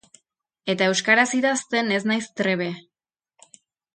Eta euskaraz idazten ez naiz trebe.